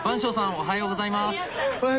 おはようございます。